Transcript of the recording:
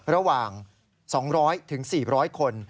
ระหว่าง๒๐๐๔๐๐คน